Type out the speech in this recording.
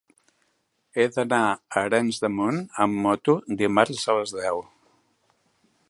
He d'anar a Arenys de Munt amb moto dimarts a les deu.